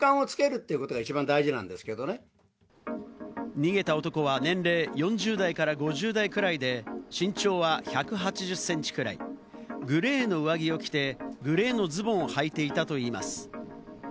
逃げた男は年齢４０代から５０代くらいで、身長は１８０センチくらい、グレーの上着を着て、グレーのズボンを履いていたといいます。